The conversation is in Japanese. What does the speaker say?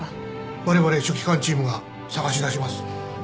われわれ書記官チームが捜し出します。